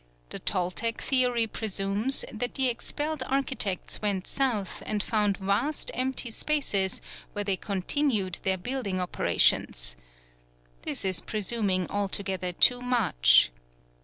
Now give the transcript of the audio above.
The Toltec theory presumes that the expelled architects went south and found vast empty spaces where they continued their building operations. This is presuming altogether too much.